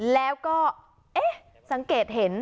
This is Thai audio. แล้วก็เอ๊ะสังเกตเห็น